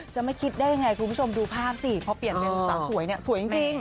จะไม่คิดได้ยังไงคุณผู้ชมดูภาพสิพอเปลี่ยนเป็นสาวสวยเนี่ยสวยจริง